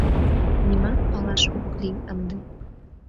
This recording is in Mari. Нимат палаш ок лий ынде.